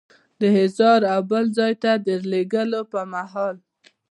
د احضار او بل ځای ته د لیږلو پر مهال.